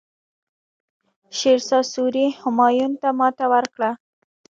شیرشاه سوري همایون ته ماتې ورکړه.